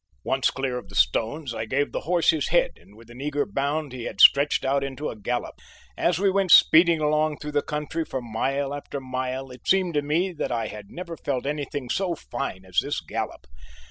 Once clear of the stones, I gave the horse his head and with an eager bound he had stretched out into a gallop. As we went speeding along through the country for mile after mile, it seemed to me that I had never felt anything so fine as this gallop.